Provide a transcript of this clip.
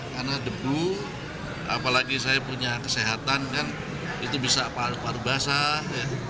karena debu apalagi saya punya kesehatan kan itu bisa paruh paruh basah